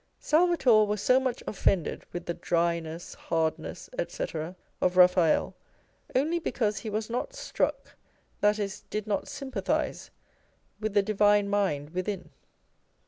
Salvator was so much offended with the dry ness, hardness, &c. of Eaphael, only because he was not struck, that is, did not sympathise with the divine mind within.